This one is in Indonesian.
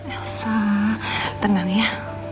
elsa tenang ya